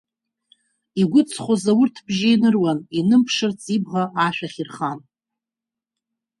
Игәыҵхоз аурҭ бжьы иныруан, инымԥшырц ибӷа ашә ахь ирхан.